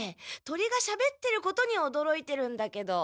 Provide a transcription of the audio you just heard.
鳥がしゃべってることにおどろいてるんだけど。